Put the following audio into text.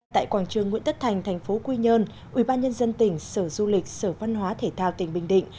tại quảng trường nguyễn tất thành thành phố quy nhơn ubnd tỉnh sở du lịch sở văn hóa thể thao tỉnh bình định